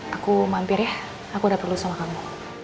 aku mampir ya aku udah perlu sama kamu